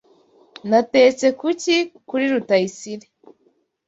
Natetse kuki kuri Rutayisire.